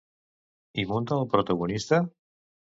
Hi munta el protagonista?